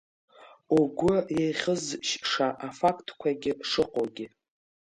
Угәы еихьызшьша афактқәа шыҟоугьы.